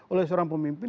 oleh seorang pemimpin